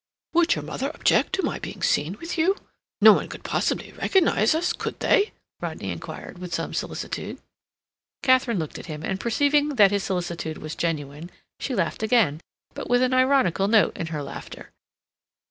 "Would your mother object to my being seen with you? No one could possibly recognize us, could they?" Rodney inquired, with some solicitude. Katharine looked at him, and perceiving that his solicitude was genuine, she laughed again, but with an ironical note in her laughter.